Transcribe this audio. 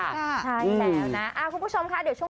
ใช่แสวนะคุณผู้ชมค่ะ